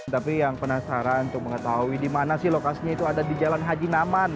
tapi yang penasaran tuh mengetahui dimana sih lokasinya itu ada di jalan haji naman